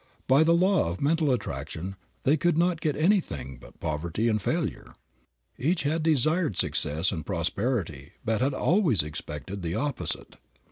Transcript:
By the law of mental attraction they could not get anything but poverty and failure. Each had desired success and prosperity but had always expected the opposite.